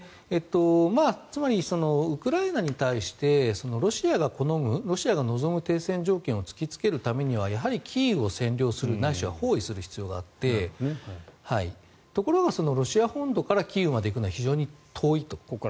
つまりウクライナに対してロシアが好むロシアが望む停戦条件を突きつけるにはやはり、キーウを占領するないしは包囲する必要があってところがロシア本土からキーウまで非常に遠いと。